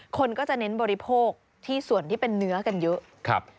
คนก็จะเน้นบริโภคที่ส่วนที่เป็นเนื้อกันเยอะ